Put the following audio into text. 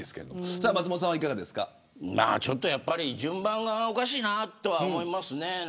ちょっと順番がおかしいなとは思いますね。